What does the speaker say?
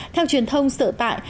theo truyền thông sợ tại